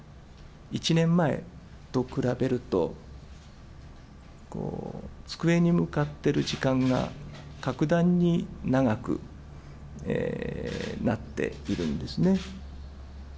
１年前と比べると、机に向かってる時間が格段に長くなっているんですね。